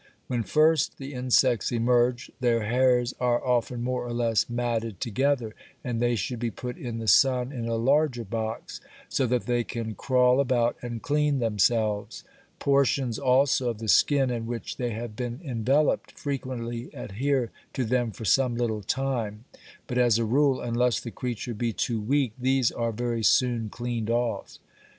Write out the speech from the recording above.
When first the insects emerge, their hairs are often more or less matted together, and they should be put in the sun in a larger box, so that they can crawl about and clean themselves; portions also of the skin in which they have been enveloped frequently adhere to them for some little time, but as a rule, unless the creature be too weak, these are very soon cleaned off.